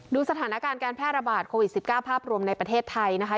ดูสถานการณ์การแพร่ระบาดโควิด๑๙ภาพรวมในประเทศไทยนะคะ